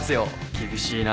厳しいなぁ。